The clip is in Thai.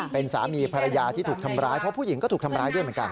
เป็นสามีภรรยาที่ถูกทำร้ายเพราะผู้หญิงก็ถูกทำร้ายด้วยเหมือนกัน